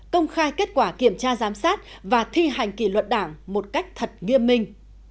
công khai kết quả kiểm tra giám sát và thi hành kỷ luật đảng một cách thật nghiêm minh